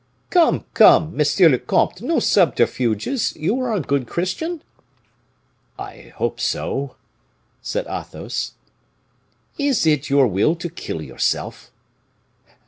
"Come, come! monsieur le comte, no subterfuges; you are a good Christian?" "I hope so," said Athos. "Is it your wish to kill yourself?"